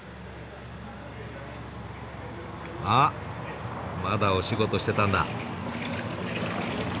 あっまだお仕事してたんだ！